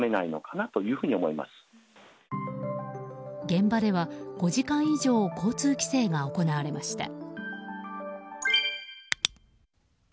現場では５時間以上交通規制が行われました。